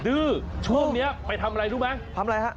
ดื้อช่วงนี้ไปทำอะไรดูมั้ยทำไรฮะ